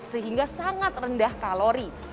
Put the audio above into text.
sehingga sangat rendah kalori